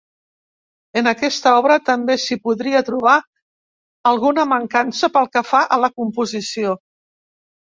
En aquesta obra també s’hi podria trobar alguna mancança pel que fa a la composició.